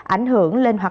ảnh hưởng lên hoặc là